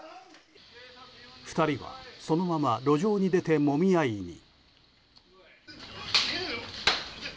２人はそのまま路上に出てもみ合いに。